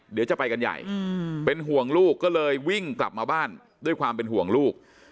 เดี๋ยวจะไปกันใหญ่เป็นห่วงลูกก็เลยวิ่งกลับมาบ้านด้วยความเป็นห่วงลูก